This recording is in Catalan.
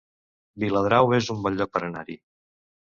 Viladrau es un bon lloc per anar-hi